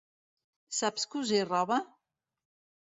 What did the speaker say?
Saps cosir roba?